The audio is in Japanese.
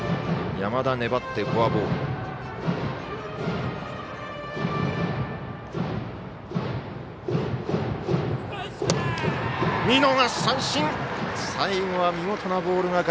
山田、粘ってフォアボール。